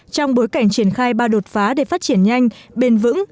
trong bối cảnh triển khai ba đột phá để phát triển nhanh bền vững